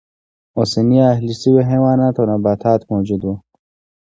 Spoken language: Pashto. اوسني اهلي شوي حیوانات او نباتات موجود و.